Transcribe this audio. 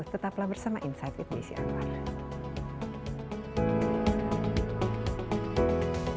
tetaplah bersama insight with desi anwar